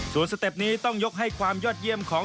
ส่วนสเต็ปนี้ต้องยกให้ความยอดเยี่ยมของ